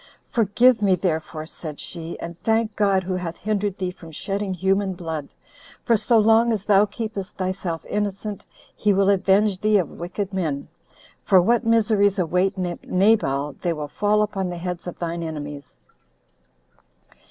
"Forgive me, therefore," said she, "and thank God, who hath hindered thee from shedding human blood; for so long as thou keepest thyself innocent, he will avenge thee of wicked men, 25 for what miseries await Nabal, they will fall upon the heads of thine enemies.